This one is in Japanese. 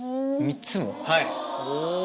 ３つも！